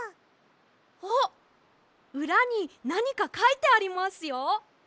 あっうらになにかかいてありますよ。